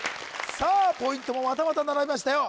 さあポイントもまたまた並びましたよ